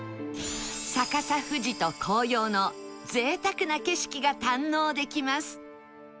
逆さ富士と紅葉の贅沢な景色が堪能できます